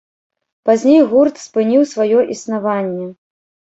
Пазней гурт спыніў сваё існаванне.